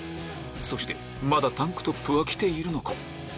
そしてまだタンクトップは着ているのか？